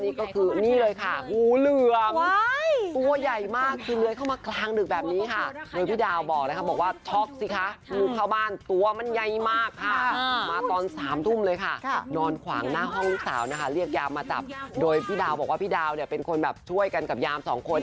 นี่คุณผู้ชมดูตามคลิปเลยค่ะ